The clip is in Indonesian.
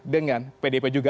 dengan pdip juga